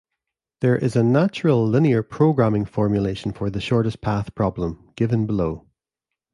There is a natural linear programming formulation for the shortest path problem, given below.